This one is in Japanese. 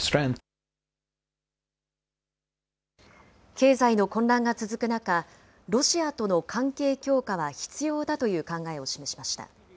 経済の混乱が続く中、ロシアとの関係強化は必要だという考えを示しました。